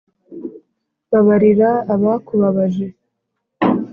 babarira abakubabaje